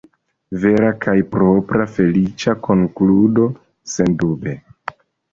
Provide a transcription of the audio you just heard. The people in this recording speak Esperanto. Vera kaj propra “feliĉa konkludo”, sendube.